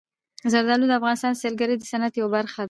زردالو د افغانستان د سیلګرۍ د صنعت یوه برخه ده.